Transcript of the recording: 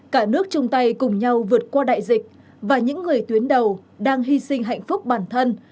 cả nước chung tay cùng nhau vượt qua đại dịch và những người tuyến đầu đang hy sinh hạnh phúc bản thân